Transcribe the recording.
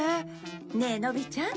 ねえのびちゃん。